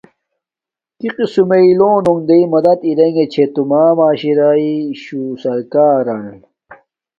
کی قسم میے لونݣ دݵ مدد ارگے چھے توما معاشراشوں سرکارن،